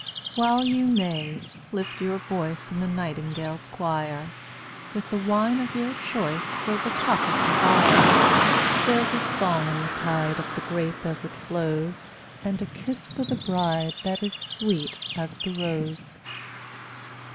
em$ 201 While you may, lift your voice (£)tttAt In the nightingale's choir, Tj With the wine of your choice \J>£' Fill the cup of desire. There's a song in the tide Of the grape as it flows, And a kiss for the bride That is sweet as the rose.